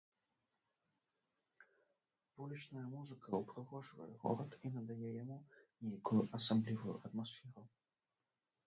Вулічная музыка ўпрыгожвае горад і надае яму нейкую асаблівую атмасферу.